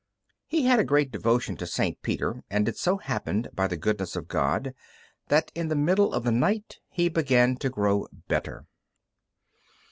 He had great devotion to St. Peter, and it so happened by the goodness of God that in the middle of the night he began to grow better.